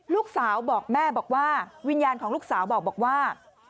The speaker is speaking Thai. ลูกสาวบอกแม่บอกว่าวิญญาณของลูกสาวบอกว่า